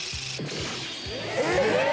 えっ！？